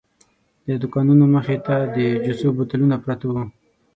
د دوکانونو مخې ته د جوسو بوتلونه پراته وو.